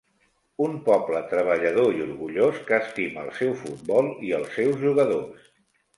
Un poble treballador i orgullós que estima el seu futbol i els seus jugadors.